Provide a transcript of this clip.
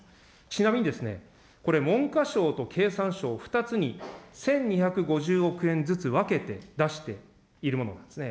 ちなみにですね、これ、文科省と経産省２つに１２５０億円ずつ分けて出しているものなんですね。